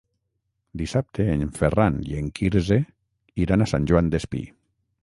Dissabte en Ferran i en Quirze iran a Sant Joan Despí.